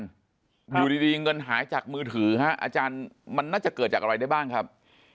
อยู่ดีเงินหายจากมือถือฮะอาจารย์มันน่าจะเกิดจากอะไรได้บ้างครับ